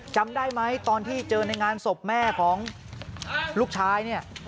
จำได้ไหมตอนที่เจอในงานศพแม่ของลูกชายเนี่ย